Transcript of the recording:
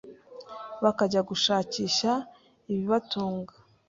bakajya gushakisha ibibatunga